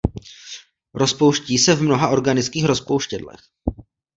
Rozpouští se v mnoha organických rozpouštědlech.